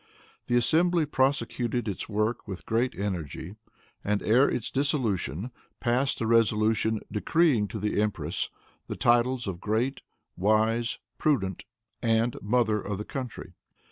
The assembly prosecuted its work with great energy, and, ere its dissolution, passed a resolution decreeing to the empress the titles of "Great, Wise, Prudent, and Mother of the Country."